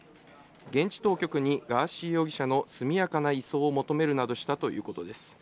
現地当局にガーシー容疑者の速やかな移送を求めるなどしたということです。